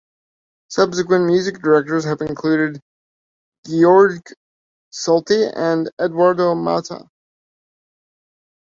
Subsequent music directors have included Georg Solti and Eduardo Mata.